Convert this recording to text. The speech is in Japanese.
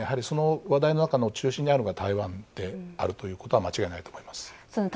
その話題の中の中心にあるのは台湾であるということは間違いないです。